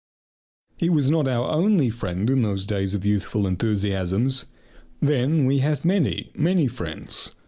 He was not our only friend in those days of youthful enthusiasms. Then we had many, many friends.